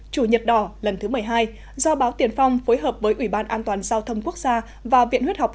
chủ nhật đỏ lần thứ một mươi hai do báo tiền phong phối hợp với ủy ban an toàn giao thông quốc gia và viện huyết học